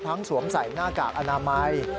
สวมใส่หน้ากากอนามัย